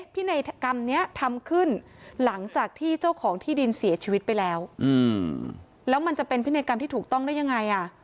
นัยกรรมนี้ทำขึ้นหลังจากที่เจ้าของที่ดินเสียชีวิตไปแล้วแล้วมันจะเป็นพินัยกรรมที่ถูกต้องได้ยังไงอ่ะ